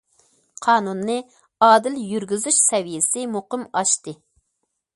قانۇننى ئادىل يۈرگۈزۈش سەۋىيەسى مۇقىم ئاشتى.